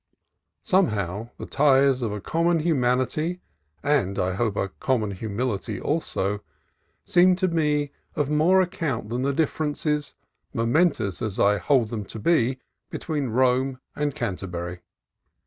Somehow, the ties of a common hu manity (and, I hope, a common humility also) seem to me of more account than the differences, momen tous as I hold them to be, between Rome and Can terbury.